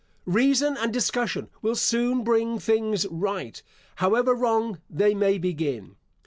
Reason and discussion will soon bring things right, however wrong they may begin.